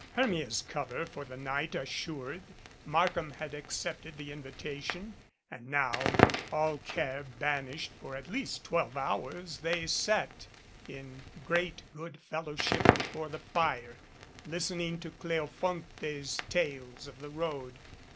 Hermia's cover for the night assured, Markham had accepted the invitation, and now, all care banished for at least twelve hours, they sat in great good fellowship be fore the fire, listening to Cleofonte's tales of the road.